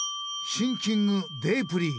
シンキングデープリー。